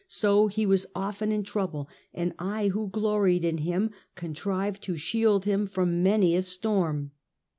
So he was often in trouble, and I, who gloried in him, contrived to shield him from many a storm.